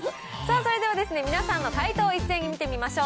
それでは、皆さんの解答を一斉に見てみましょう。